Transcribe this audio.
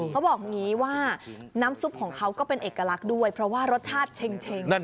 เขาบอกอย่างนี้ว่าน้ำซุปของเขาก็เป็นเอกลักษณ์ด้วยเพราะว่ารสชาติเช็ง